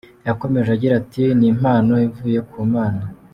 Yakomeje agira ati : “Ni impano ivuye ku Mana.